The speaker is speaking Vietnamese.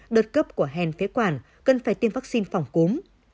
đợt cấp của hèn phế quản cần phải tiêm vaccine phòng cúm